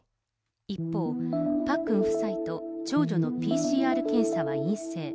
一方、パックン夫妻と長女のＰＣＲ検査は陰性。